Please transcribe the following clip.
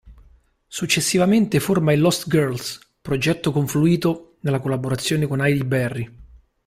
Successivamente forma i Lost Girls, progetto confluito nella collaborazione con Heidi Berry.